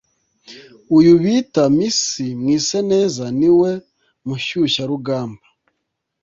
uyu bita “miss mwiseneza” niwe mushyushyarugamba,